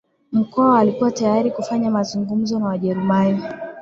Mkwawa alikuwa tayari kufanya mazungumzo na Wajerumani